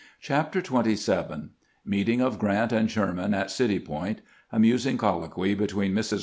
CHAPTER XXVn MEETING OF GEANT AND SHEBMAN AT CITY POINT — AMUS ING COLLOQUY BETWEEN MKS.